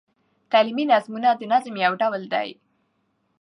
تعلیمي نظمونه د نظم یو ډول دﺉ.